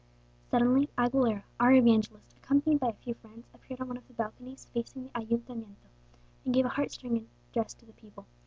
"Suddenly Aguilera, our evangelist, accompanied by a few friends, appeared on one of the balconies facing the Ayuntamiento, and gave a heart stirring address to the people.